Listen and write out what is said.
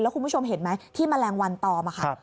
แล้วคุณผู้ชมเห็นไหมที่มะแรงวันต่อมาค่ะ